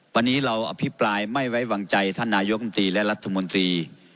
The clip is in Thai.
วันนี้เราอภิปรายไม่ไว้วางใจท่านนายกรรมตรีและรัฐมนตรี